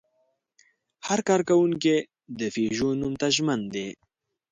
هر کارکوونکی د پيژو نوم ته ژمن دی.